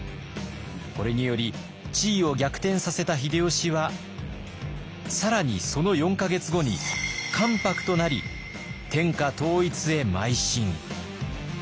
これにより地位を逆転させた秀吉は更にその４か月後に関白となり天下統一へまい進。